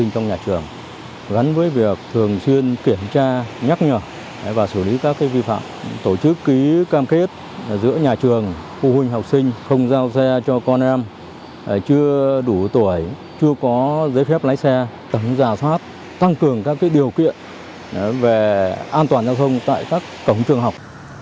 trong công tác bảo đảm trật tự an toàn giao thông tại các cổng trường học